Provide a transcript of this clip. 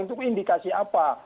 itu indikasi apa